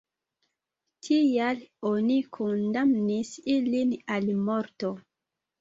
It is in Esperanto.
Tial oni kondamnis ilin al morto.